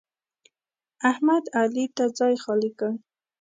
احمد؛ علي ته ځای خالي کړ.